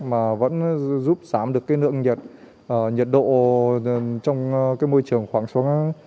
mà vẫn giúp giảm được cái nượng nhiệt độ trong cái môi trường khoảng số